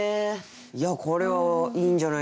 いやこれはいいんじゃないでしょうか。